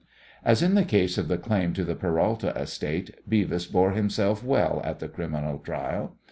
As in the case of the claim to the Peralta estate, Beavis bore himself well at the criminal trial.